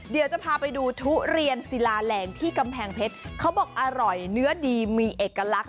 เดี๋ยวจะพาไปดูทุเรียนศิลาแหล่งที่กำแพงเพชรเขาบอกอร่อยเนื้อดีมีเอกลักษณ์